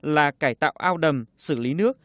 là cải tạo ao đầm xử lý nước